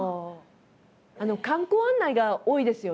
観光案内が多いですよね？